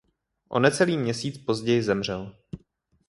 O necelý měsíc později zemřel.